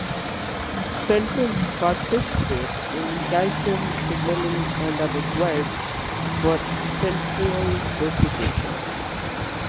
Centrins participate in calcium signaling and are required for centriole duplication.